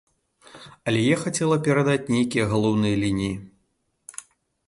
Але я хацела перадаць нейкія галоўныя лініі.